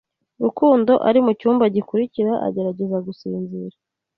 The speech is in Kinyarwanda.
Rukundo ari mucyumba gikurikira agerageza gusinzira.